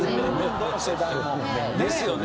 どの世代も。ですよね。